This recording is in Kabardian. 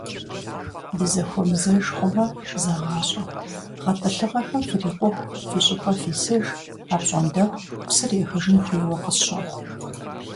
Дызэхуэмызэж хъумэ, зэгъащӀэ: гъэтӀылъыгъэхэм фрикъуху фи щӏыпӏэ фисыж, апщӀондэху псыр ехыжын хуейуэ къысщохъу.